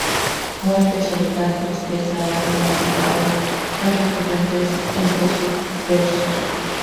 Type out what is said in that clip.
Muerte, soledad, tristeza, lágrimas y bares son recurrentes entre sus versos.